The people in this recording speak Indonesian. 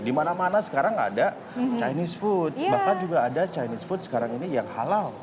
di mana mana sekarang ada chinese food bahkan juga ada chinese food sekarang ini yang halal